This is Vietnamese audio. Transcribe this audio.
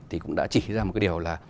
thì cũng đã chỉ ra một cái điều là